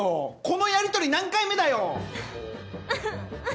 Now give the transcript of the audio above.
このやり取り何回目だよ。